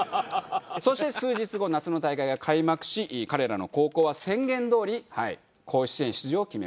そして数日後夏の大会が開幕し彼らの高校は宣言どおりはい甲子園出場を決めます。